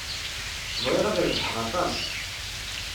Bɣiɣ ad rebḥeɣ aṭas.